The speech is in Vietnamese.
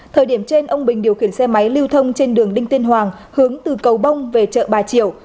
thời điểm trên ông bình điều khiển xe máy lưu thông trên đường đinh tiên hoàng hướng từ cầu bông về chợ bà triều